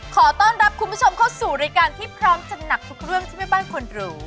ขอต้อนรับคุณผู้ชมเข้าสู่รายการที่พร้อมจัดหนักทุกเรื่องที่แม่บ้านควรรู้